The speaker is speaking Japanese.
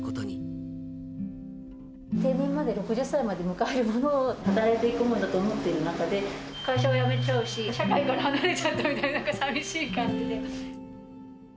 定年まで、６０歳まで迎えるもの、働いていくものだと思っている中で、会社は辞めちゃうし、社会から離れちゃったみたいで、さみしい感じで。